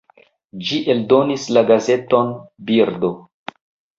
Ĝi eldonis la gazeton "Birdo".